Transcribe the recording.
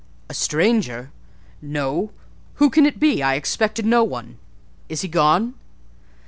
"A stranger!—no; who can it be? I expected no one; is he gone?"